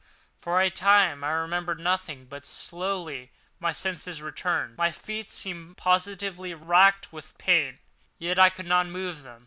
For a time I remembered nothing; but slowly my senses returned. My feet seemed positively racked with pain, yet I could not move them.